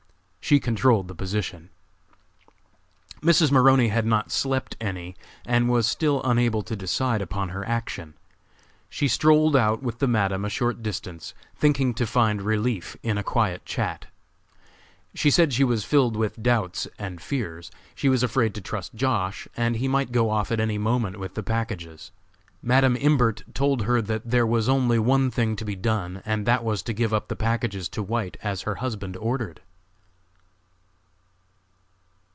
She controlled the position. Mrs. Maroney had not slept any and was still unable to decide upon her action. She strolled out with the Madam a short distance, thinking to find relief in a quiet chat. She said she was filled with doubts and fears. She was afraid to trust Josh., and he might go off at any moment with the packages. Madam Imbert told her that there was only one thing to be done, and that was to give up the packages to White as her husband ordered.